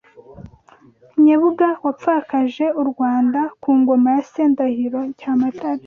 Nyebuga wapfakaje u Rwanda ku ngoma ya Se Ndahiro Cyamatare